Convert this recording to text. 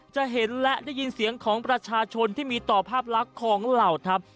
จะเห็นและได้ยินเสียงของประชาชนที่มีต่อภาพลักษณ์ของเหล่าทัพ